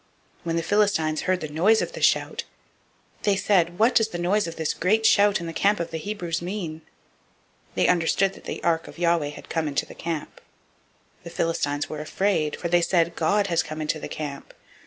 004:006 When the Philistines heard the noise of the shout, they said, What means the noise of this great shout in the camp of the Hebrews? They understood that the ark of Yahweh was come into the camp. 004:007 The Philistines were afraid, for they said, God is come into the camp.